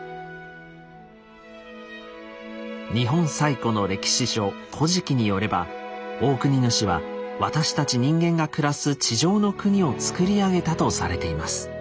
日本最古の歴史書「古事記」によればオオクニヌシは私たち人間が暮らす地上の国を作り上げたとされています。